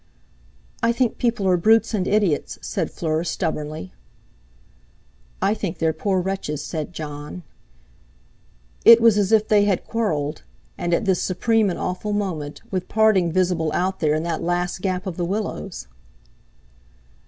"I think people are brutes and idiots," said Fleur stubbornly. "I think they're poor wretches," said Jon. It was as if they had quarrelled—and at this supreme and awful moment, with parting visible out there in that last gap of the willows!